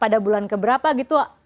pada bulan keberapa gitu